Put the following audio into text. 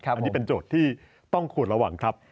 อันนี้เป็นโจทย์ที่ต้องควรระวังครับ